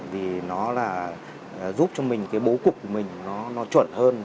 vì nó là giúp cho mình cái bố cục của mình nó chuẩn hơn